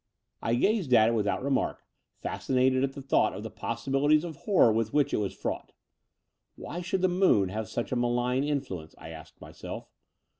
I gazed at it without remark, fascinated at the thought of the possibilities of horror with which it was fraught. Why should the moon have such a malign influence, I asked myself?